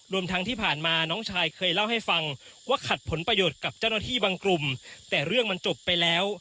รวมทั้งที่ผ่านมาน้องชายเคยเล่าให้ฟังว่าขัดผลประโยชน์กับเจ้าหน้าที่บางกลุ่มแต่เรื่องมันจบไปแล้ว